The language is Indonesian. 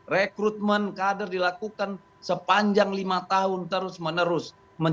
rekrutmen kader dilakukan sepanjang lima tahun terus menerus